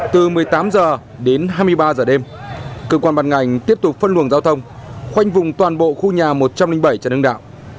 từ một mươi tám h đến hai mươi ba h đêm cơ quan bàn ngành tiếp tục phân luồng giao thông khoanh vùng toàn bộ khu nhà một trăm linh bảy trần hưng đạo